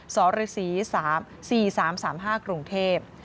สฤษ๔๓๓๕กรุงเทพ